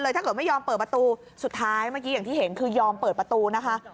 ถ้าเกิดไม่ยอมเปิดประตูสุดท้ายเมื่อกี้อย่างที่เห็นคือยอมเปิดประตูนะคะ